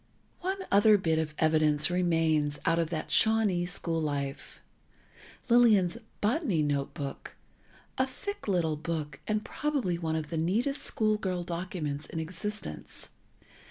One other bit of evidence remains out of that Shawnee school life: Lillian's "Botany Notebook"—a thick little book, and probably one of the neatest school girl documents in existence.